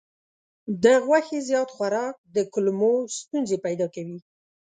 د غوښې زیات خوراک د کولمو ستونزې پیدا کوي.